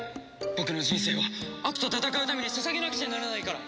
僕の人生は悪と戦うために捧げなくちゃならないから！